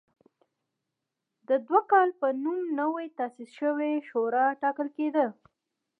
د دوکال په نوم نوې تاسیس شوې شورا ټاکل کېده